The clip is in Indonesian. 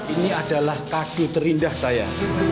ini adalah kado terindah saya